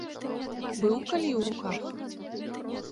Быў калі ў руках?